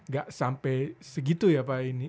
gak sampai segitu ya pak ini